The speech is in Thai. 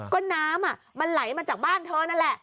ก็น้ำมันไหลมาจากบ้านเธอนั่นแหละ